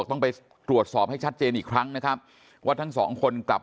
ต้องไปตรวจสอบให้ชัดเจนอีกครั้งนะครับว่าทั้งสองคนกลับ